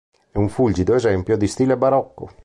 È un fulgido esempio di stile barocco.